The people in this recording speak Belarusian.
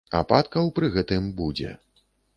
Ападкаў пры гэтым будзе.